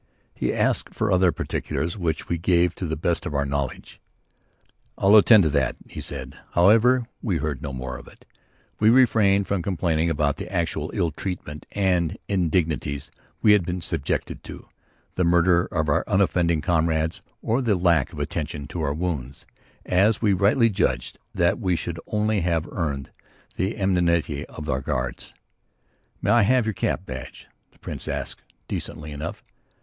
He asked for other particulars which we gave to the best of our knowledge. "I'll attend to that," he said. However, we heard no more of it. We refrained from complaining about the actual ill treatment and indignities we had been subjected to, the murder of our unoffending comrades, or the lack of attention to our wounds, as we rightly judged that we should only have earned the enmity of our guards. "May I have your cap badge?" the Prince asked, decently enough.